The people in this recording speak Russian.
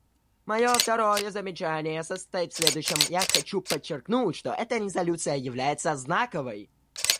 Мое второе замечание состоит в следующем: я хочу подчеркнуть, что эта резолюция является знаковой.